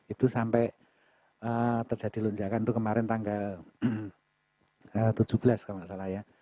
itu sampai terjadi lonjakan itu kemarin tanggal tujuh belas kalau nggak salah ya